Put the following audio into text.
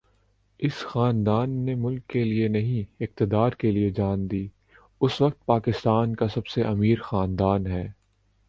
اس خاندان نے ملک کے لیے نہیں اقتدار کے لیے جان دی اس وقت پاکستان کا سب سے امیر خاندان ہے